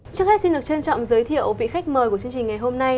trước hết xin được trân trọng giới thiệu vị khách mời của chương trình ngày hôm nay